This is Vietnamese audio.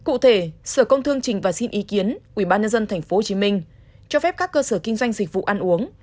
cụ thể sở công thương trình và xin ý kiến ubnd tp hcm cho phép các cơ sở kinh doanh dịch vụ ăn uống